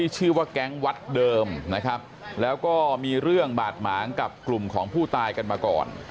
ชื่อว่าแก๊งวัดเดิมนะครับแล้วก็มีเรื่องบาดหมางกับกลุ่มของผู้ตายกันมาก่อน